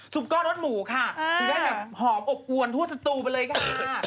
ก้อนรสหมูค่ะถึงได้แบบหอมอบอวนทั่วสตูไปเลยค่ะ